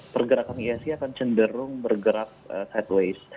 pergerakan ihsg akan cenderung bergerak sideways